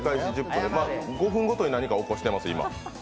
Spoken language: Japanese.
５分後とに何か起こしてます、今。